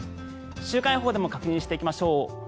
週間予報でも確認していきましょう。